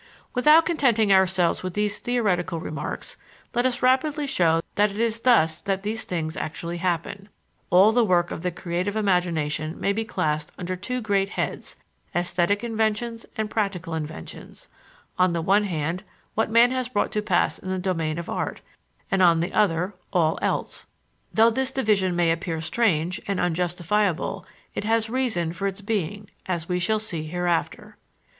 Without contenting ourselves with these theoretical remarks, let us rapidly show that it is thus that these things actually happen. All the work of the creative imagination may be classed under two great heads esthetic inventions and practical inventions; on the one hand, what man has brought to pass in the domain of art, and on the other hand, all else. Though this division may appear strange, and unjustifiable, it has reason for its being, as we shall see hereafter.